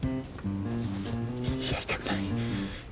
やりたくない。